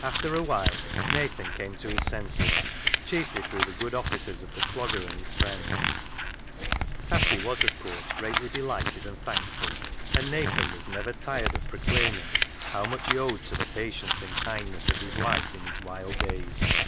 After a while, Nathan came to his senses, chiefly through the good offices of the Clogger and his friends. Tatty was, of course, greatly delighted and thankful, and Nathan was never tired of proclaiming how much he owed to the patience and kindness of his wife in his wild days.